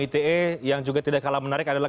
ite yang juga tidak kalah menarik adalah